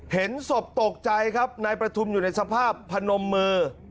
เห็นศพตกใจครับนายประทุมอยู่ในสภาพพนมมือ